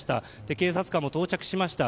警察官も到着しました。